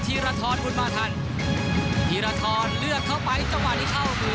ทีละท้อนกุมมาทันทีละท้อนเลือกเข้าไปเวลามีเข้ามือ